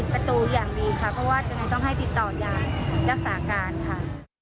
วันนี้เราก็จะมีมาตรการเข้มค่ะคือไม่ให้ปิดประตูอย่างนี้ค่ะ